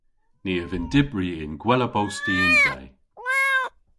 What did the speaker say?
Ni a vynn dybri y'n gwella bosti y'n dre.